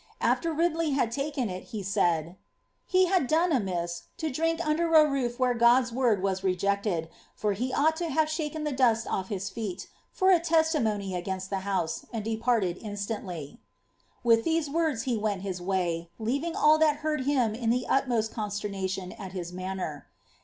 After Ridley had Uken it, h said — "He had clone amiss, lo drink under a roof where God's woni 1 WHS rcjeirled; for he oiiglil to have aliakeii the dust olT his feci, for s iti mo ny against the house, and departed inslanlly." With ihfse words went his way, leaving nil that heard him in ihe utmost consternalion his manner.